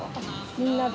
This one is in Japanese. みんなで？